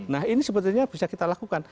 nah ini sebetulnya bisa kita lakukan